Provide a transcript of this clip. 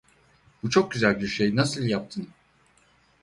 Bu çok güzel bir şey, nasıl yaptın?